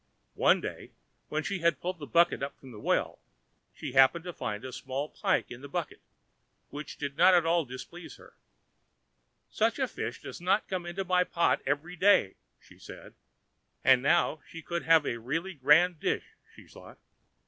So one day, when she had pulled the bucket up from the well, she happened to find a small pike in the bucket, which did not at all displease her. "Such fish does not come into my pot every day," she said; and now she could have a really grand dish, she thought.